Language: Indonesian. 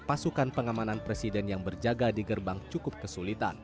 pasukan pengamanan presiden yang berjaga di gerbang cukup kesulitan